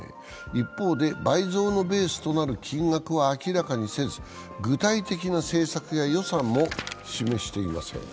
一方で、倍増のベースとなる金額は明らかにせず、具体的な政策や予算も示していません。